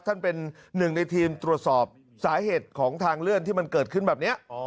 ท่านเป็นหนึ่งในทีมตรวจสอบสาเหตุของทางเลื่อนที่มันเกิดขึ้นแบบนี้